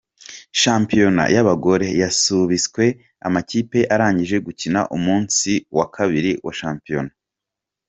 Shampiyona y’abagore, yasubitswe amakipe arangije gukina umunsi wa kabiri wa shampiyona.